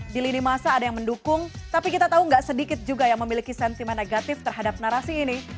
di lini masa ada yang mendukung tapi kita tahu nggak sedikit juga yang memiliki sentimen negatif terhadap narasi ini